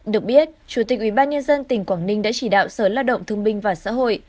được biết chủ tịch ủy ban nhân dân tỉnh quảng ninh đã chỉ đạo sở lao động thương minh và xã hội